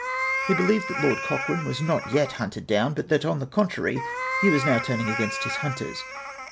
He be lieved that Lord Cochrane was not yet hunted down ; but that, on the contrary, he was now turning against his hunters.